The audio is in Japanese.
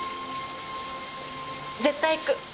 絶対行く。